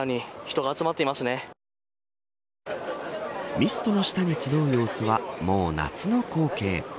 ミストの下に集う様相はもう夏の光景。